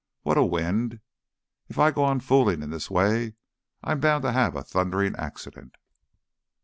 What a wind! If I go on fooling in this way I'm bound to have a thundering accident!...